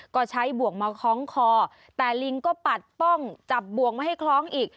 ก็ใช้บ่วงมาคล้องคอแต่ลิงก็ปัดป้องจับบ่วงไม่ให้คล้องอีก